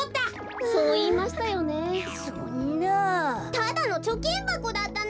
ただのちょきんばこだったなんて。